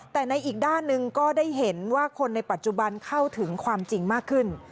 แต่ในอีกด้านหนึ่งก็ได้เห็นว่าคนในปัจจุบันเข้าถึงความจริงมากขึ้น